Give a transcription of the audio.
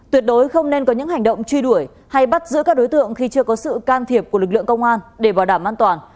tuyệt đối không nên có những hành động truy đuổi hay bắt giữ các đối tượng khi chưa có sự can thiệp của lực lượng công an để bảo đảm an toàn